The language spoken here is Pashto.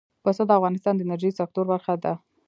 پسه د افغانستان د انرژۍ سکتور برخه ده.